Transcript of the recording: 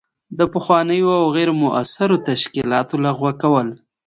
د پخوانیو او غیر مؤثرو تشکیلاتو لغوه کول.